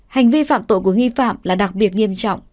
hành vi phạm tội của nghi phạm là đặc biệt nghiêm trọng